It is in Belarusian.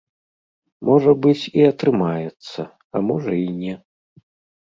Можа быць, і атрымаецца, а можа і не.